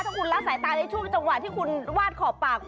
ถ้าคุณละสายตาในช่วงจังหวะที่คุณวาดขอบปาก